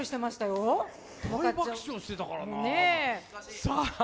大爆笑してたからなあ。